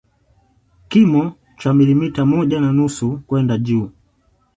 Kimo cha milimita moja na nusu kwenda juu